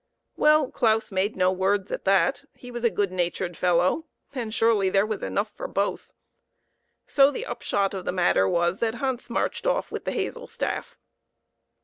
Well, Claus made no words at that. He was a good natured fellow, and surely there was enough for both. So the upshot of the matter was that Hans marched off with the hazel staff.